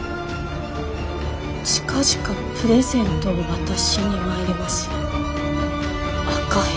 近々プレゼントを渡しに参ります赤蛇」。